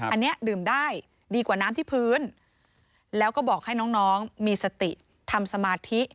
อันนี้ดื่มได้ดีกว่าน้ำที่พื้นแล้วก็บอกให้น้องมีสติทำสมาธิ